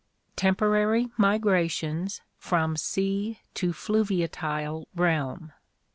Temporary Migrations from Sea to Fluviatile Realm.